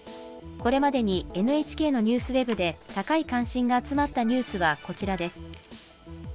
これまでにＮＨＫのニュースウェブで高い関心が集まったニュースは、こちらです。